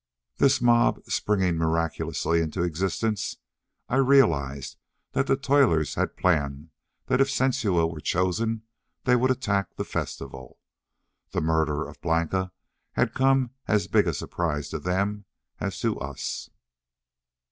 This mob springing miraculously into existence! I realized that the toilers had planned that if Sensua were chosen they would attack the festival. The murder of Blanca had come as big a surprise to them as to us....